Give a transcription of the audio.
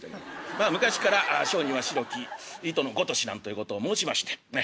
まあ昔から「小児は白き糸のごとし」なんということを申しましてねっ。